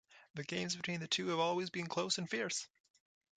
The games between the two have always been close and fierce.